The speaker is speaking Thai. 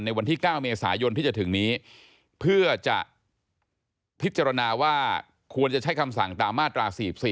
วันที่๙เมษายนที่จะถึงนี้เพื่อจะพิจารณาว่าควรจะใช้คำสั่งตามมาตรา๔๔